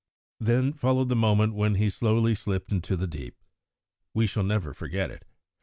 "Then followed the moment when he slowly slipped into the deep. We shall never forget it.